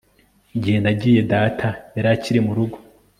Igihe nagiye data yari akiri mu rugo